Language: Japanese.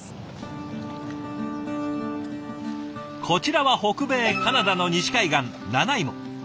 こちらは北米カナダの西海岸ナナイモ。